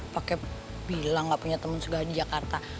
pakai bilang gak punya temen segala di jakarta